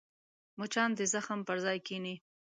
مچان د زخم پر ځای کښېني